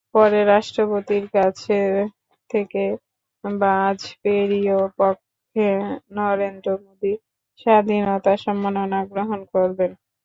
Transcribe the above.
পরে রাষ্ট্রপতির কাছ থেকে বাজপেয়ির পক্ষে নরেন্দ্র মোদি স্বাধীনতা সম্মাননা গ্রহণ করবেন।